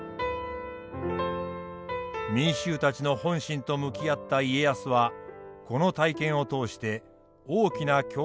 民衆たちの本心と向き合った家康はこの体験を通して大きな教訓を得ることになったのです。